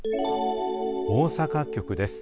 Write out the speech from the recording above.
大阪局です。